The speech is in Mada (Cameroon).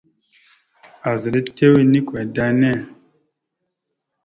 Azaɗ etew enikwada enne.